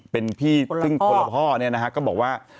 เป็นพี่ซึ่งคนละพ่อเนี่ยนะฮะก็บอกว่า